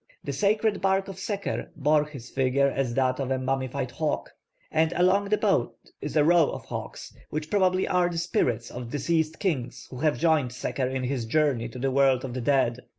The sacred bark of Seker bore his figure as that of a mummified hawk; and along the boat is a row of hawks which probably are the spirits of deceased kings who have joined Seker in his journey to the world of the dead.